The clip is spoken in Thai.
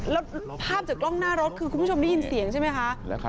แล้วภาพจากกล้องหน้ารถคือคุณผู้ชมได้ยินเสียงใช่ไหมคะ